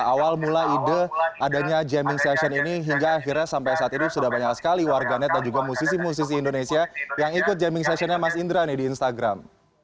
awal mula ide adanya jamming session ini hingga akhirnya sampai saat ini sudah banyak sekali warganet dan juga musisi musisi indonesia yang ikut jamming sessionnya mas indra nih di instagram